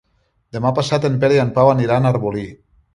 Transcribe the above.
Demà passat en Pere i en Pau aniran a Arbolí.